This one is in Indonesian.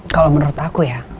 kalau menurut aku ya